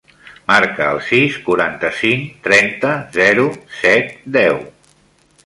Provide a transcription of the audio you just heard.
Marca el sis, quaranta-cinc, trenta, zero, set, deu.